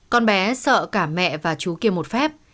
con bé sợ cả mẹ và chú kiêm một phép